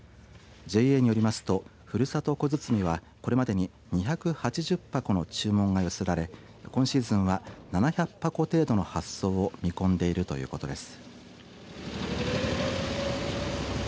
ＪＡによりますとふるさと小包はこれまでに２８０箱の注文が寄せられ今シーズンは７００箱程度の発送を見込んでいるということです。